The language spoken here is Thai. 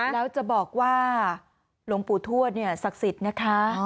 แล้วจะบอกว่าหลวงปู่ทวดเนี่ยศักดิ์สิทธิ์นะคะ